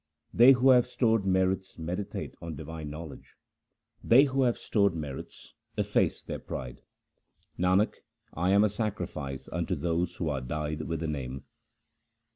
They who have stored merits meditate on divine know ledge ; They who have stored merits efface their pride. Nanak, I am a sacrifice unto those who are dyed with the Name.